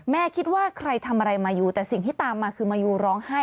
คิดว่าใครทำอะไรมายูแต่สิ่งที่ตามมาคือมายูร้องไห้